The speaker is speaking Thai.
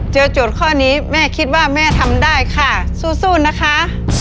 โจทย์ข้อนี้แม่คิดว่าแม่ทำได้ค่ะสู้นะคะ